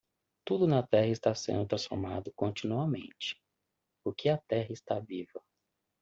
Tudo na terra está sendo transformado continuamente? porque a terra está viva.